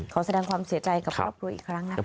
ขอแสดงความเสียใจกับครอบครัวอีกครั้งนะคะ